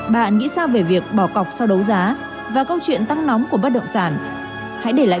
bạn nghĩ sao về việc bỏ cọc sau đấu giá và câu chuyện tăng nóng của bất động sản hãy để lại